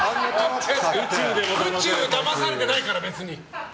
宇宙はだまされてないから！